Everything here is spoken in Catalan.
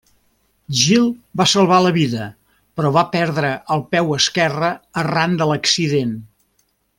Gil va salvar la vida, però va perdre el peu esquerre arran de l'accident.